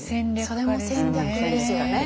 それも戦略ですよね。